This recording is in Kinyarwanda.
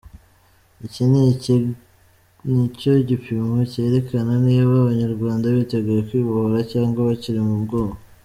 Iki nicyo gipimo cyerekana niba abanyarwanda biteguye kwibohora cyangwa bakiri mu bwoba.